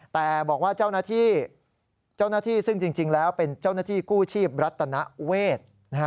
แต่บอกว่าเจ้าหน้าที่ซึ่งจริงแล้วเป็นเจ้าหน้าที่กู้ชีพรัฐนาเวศ